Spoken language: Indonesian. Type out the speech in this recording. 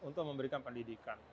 untuk memberikan pendidikan